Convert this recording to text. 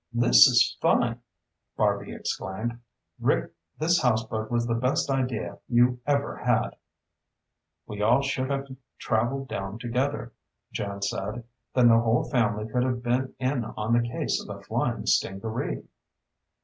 "This is fun!" Barby exclaimed. "Rick this houseboat was the best idea you ever had!" "We all should have traveled down together," Jan said. "Then the whole family could have been in on the case of the flying stingaree."